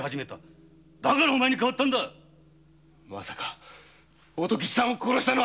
まさか乙吉さんを殺したのは？